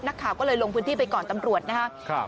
นักข่าวก็เลยลงพื้นที่ไปก่อนตำรวจนะครับ